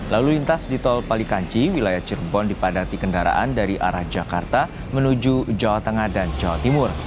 lalu lintas di tol palikanci wilayah cirebon dipadati kendaraan dari arah jakarta menuju jawa tengah dan jawa timur